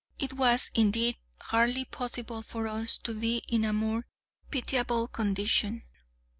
It was, indeed, hardly possible for us to be in a more pitiable condition.